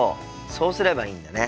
そうすればいいんだね。